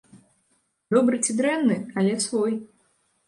Добры ці дрэнны, але свой.